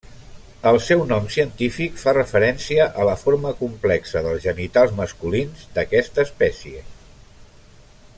El seu nom científic fa referència a la forma complexa dels genitals masculins d'aquesta espècie.